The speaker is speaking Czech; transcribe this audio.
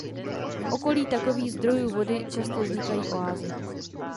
V okolí takových zdrojů vody často vznikají oázy.